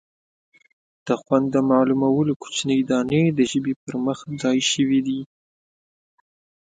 د خوند د معلومولو کوچنۍ دانې د ژبې پر مخ ځای شوي دي.